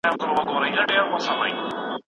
اې د هستۍ د باغ په رنګ و نور بلد نقاشه!